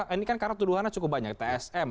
ini kan karena tuduhannya cukup banyak tsm